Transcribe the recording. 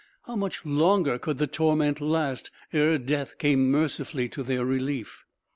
How much longer could the torment last, ere death came mercifully to their relief?